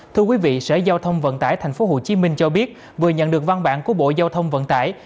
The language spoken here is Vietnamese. thưa quý vị sở giao thông vận tải tp hcm cho biết vừa nhận được văn bản của bộ giao thông vận tải